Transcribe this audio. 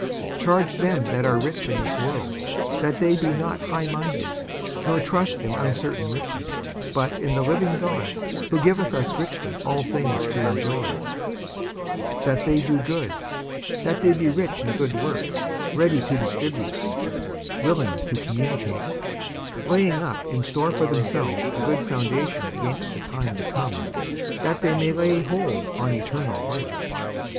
54:006:017 Charge them that are rich in this world, that they be not highminded, nor trust in uncertain riches, but in the living God, who giveth us richly all things to enjoy; 54:006:018 That they do good, that they be rich in good works, ready to distribute, willing to communicate; 54:006:019 Laying up in store for themselves a good foundation against the time to come, that they may lay hold on eternal life.